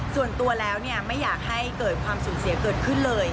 ส่วนตัวแล้วไม่อยากให้เกิดความสูญเสียเกิดขึ้นเลย